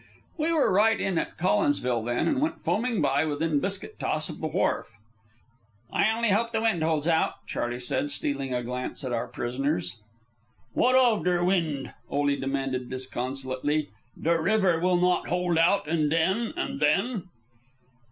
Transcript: We were right in at Collinsville then, and went foaming by within biscuit toss of the wharf. "I only hope the wind holds out," Charley said, stealing a glance at our prisoners. "What of der wind?" Ole demanded disconsolately. "Der river will not hold out, and then...and then..."